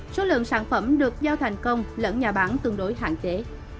số lượng sản phẩm được giao thành công lẫn nhà bán tương đối hạn chế